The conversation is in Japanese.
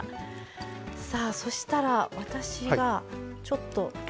さあそしたら私はちょっと。